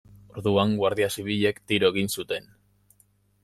Orduan guardia zibilek tiro egin zuten.